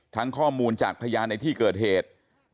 ข้อมูลจากพยานในที่เกิดเหตุ